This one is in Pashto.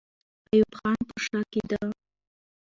ایوب خان پر شا کېده.